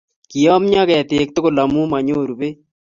kiyamya ketik tugul amu manyoru beek